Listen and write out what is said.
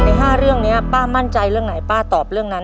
๕เรื่องนี้ป้ามั่นใจเรื่องไหนป้าตอบเรื่องนั้น